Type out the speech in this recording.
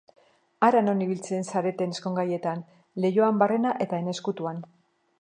Hara non ibili zareten ezkongaietan leihoan barrena eta ene ezkutuan.